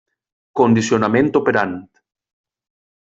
Condicionament operant.